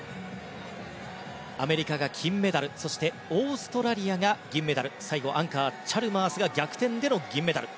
アメリカが金メダルオーストラリアが銀メダル最後アンカー、チャルマースが逆転での銀メダル。